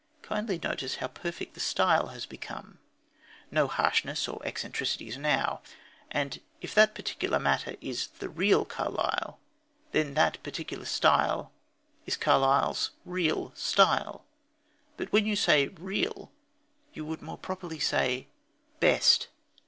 Kindly notice how perfect the style has become! No harshnesses or eccentricities now! And if that particular matter is the "real" Carlyle, then that particular style is Carlyle's "real" style. But when you say "real" you would more properly say "best."